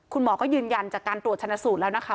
คุณหมอก็ยืนยันจากการตรวจชนะสูตรแล้วนะคะ